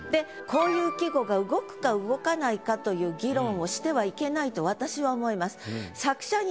こういう季語が動くか動かないかという議論をしてはいけないと私は思います。